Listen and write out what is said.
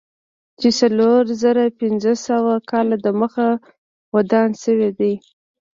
چې څلور زره پنځه سوه کاله دمخه ودان شوی دی.